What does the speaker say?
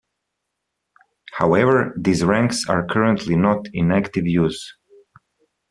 However, these ranks are currently not in active use.